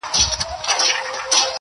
لا به تر څو دا سرې مرمۍ اورېږي؛